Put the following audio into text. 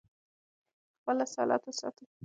خپل اصالت وساتو.